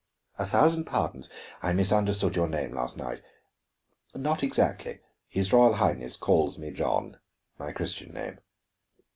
"A thousand pardons; I misunderstood your name last night." "Not exactly, his Royal Highness calls me John, my Christian name."